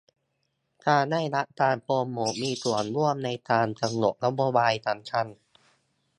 การได้รับการโปรโมตมีส่วนร่วมในการกำหนดนโยบายสำคัญ